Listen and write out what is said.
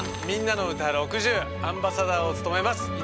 「みんなのうた６０」アンバサダーを務めます